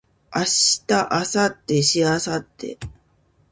明日明後日しあさって